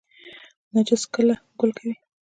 نرجس کله ګل کوي؟